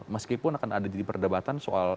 meskipun akan ada diperdebatan soal